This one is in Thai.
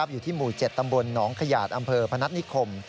อยู่ที่หมู่๗ตำบลหนองขยาดอำเภอพนัฐนิคม